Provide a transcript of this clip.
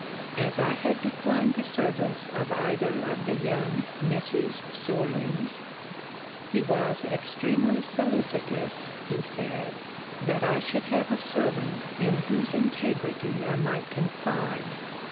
As I had declined the service of either of the young Misses Sorlings, he was extremely solicitous, he said, that I should have a servant in whose integrity I might confide.